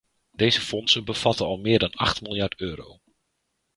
Deze fondsen bevatten al meer dan acht miljard euro.